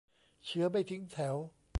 เชื้อไม่ทิ้งแถว